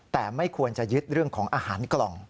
แต่ไม่ควรจะยึดเรื่องของอาหารกล่อง